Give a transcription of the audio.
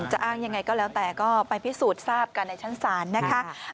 จะอ้างยังไงก็แล้วแต่ก็ไปพิสูจน์ทราบกันในชั้นศาลนะคะ